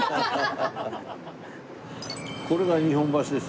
これが日本橋です